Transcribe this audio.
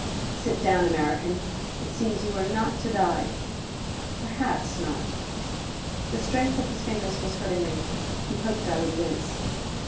"Sit down, American! It seems you are not to die. Perhaps not." The strength of his fingers was hurting me: he hoped I would wince.